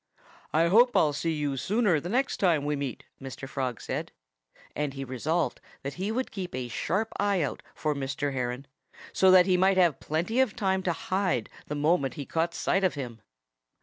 "I hope I'll see you sooner the next time we meet," Mr. Frog said. And he resolved that he would keep a sharp eye out for Mr. Heron, so that he might have plenty of time to hide the moment he caught sight of him.